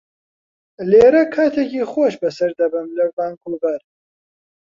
لێرە کاتێکی خۆش بەسەر دەبەم لە ڤانکوڤەر.